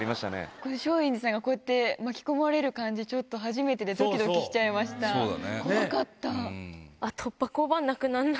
これ、松陰寺さんがこうやって巻き込まれる感じ、初めてでどきどきしちゃいました。